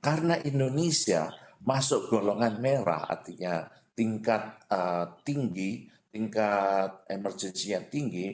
karena indonesia masuk golongan merah artinya tingkat tinggi tingkat emergensi yang tinggi